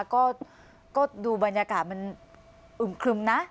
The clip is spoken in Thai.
ก็ดูบรรยากาศมันอึมครึมนะ